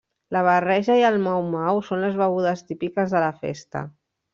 La barreja i el mau-mau són les begudes típiques de la festa.